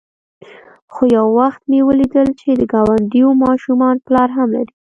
خو يو وخت مې وليدل چې د گاونډيو ماشومان پلار هم لري.